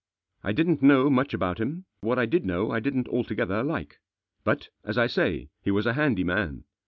I didn't know much about him, what I did know I didn't altogether like. But, as I say, he was a handy man.